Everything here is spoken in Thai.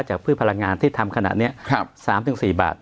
พืชพลังงานที่ทำขนาดนี้๓๔บาท